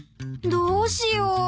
どうしよう。